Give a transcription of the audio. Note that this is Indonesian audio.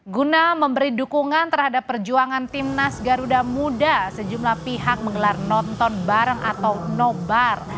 guna memberi dukungan terhadap perjuangan timnas garuda muda sejumlah pihak menggelar nonton bareng atau nobar